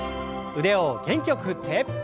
腕を元気よく振って。